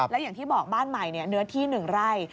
แล้วอย่างที่บอกบ้านใหม่เนื้อที่๑ไร่